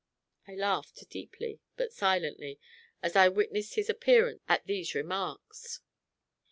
I laughed deeply, but silently, as I witnessed his appearance at these remarks.